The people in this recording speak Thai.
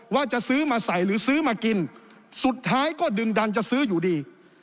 ว่าจะซื้อมาใส่หรือซื้อมากินสุดท้ายก็ดึงดันจะซื้ออยู่ดี